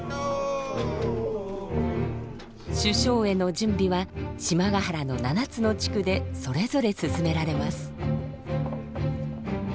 修正会の準備は島ヶ原の７つの地区でそれぞれ進められます。